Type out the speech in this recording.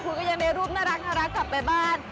คุณก็ยังได้รูปน่ารักกลับไปบ้าน